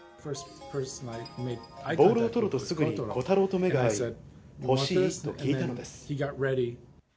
ボールを捕るとすぐに虎太郎と目が合い、欲しい？と聞いたのです。